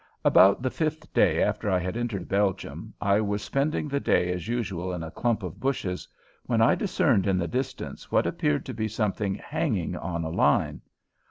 About the fifth day after I had entered Belgium I was spending the day as usual in a clump of bushes when I discerned in the distance what appeared to be something hanging on a line.